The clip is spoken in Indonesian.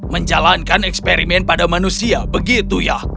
menjalankan eksperimen pada manusia begitu ya